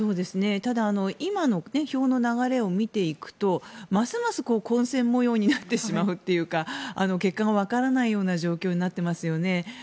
ただ今の票の流れを見ていくとますます混戦模様になってしまうというか結果がわからないような状況になっていますよね。